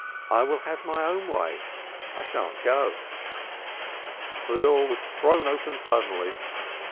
"I will have my own way: I shan't go." The door was thrown open suddenly.